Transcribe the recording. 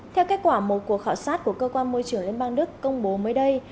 theo kết quả một cuộc khảo sát của cơ quan môi trường liên bang đức công bố mới đây